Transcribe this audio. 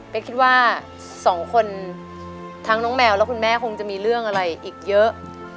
เพชรคิดว่า๒คนทั้งน้องแมวและคุณแม่เครื่องอะไรอีกเยอะ